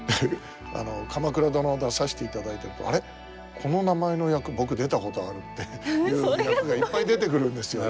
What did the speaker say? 「鎌倉殿」出させていただいてると「あれ？この名前の役僕出たことある」っていう役がいっぱい出てくるんですよ。